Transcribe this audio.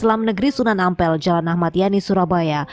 di kawasan negeri sunan ampel jalan ahmadiyani surabaya